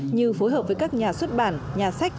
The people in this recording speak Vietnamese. như phối hợp với các nhà xuất bản nhà sách